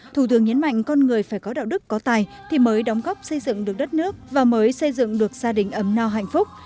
thủ tướng nhấn mạnh con người phải có đạo đức có tài thì mới đóng góp xây dựng được đất nước và mới xây dựng được gia đình ấm no hạnh phúc